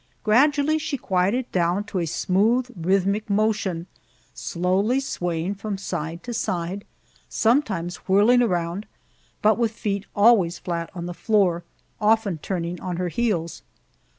Gradually she quieted down to a smooth, rhythmic motion, slowly swaying from side to side, sometimes whirling around, but with feet always flat on the floor, often turning on her heels.